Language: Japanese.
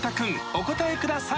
お答えください